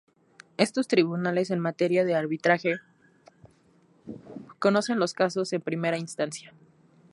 Estos tribunales en materia de arbitraje conocen los casos en primera instancia.